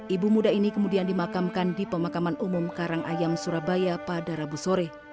ibu muda ini kemudian dimakamkan di pemakaman umum karangayam surabaya pada rabu sore